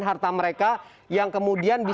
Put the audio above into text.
harta mereka yang kemudian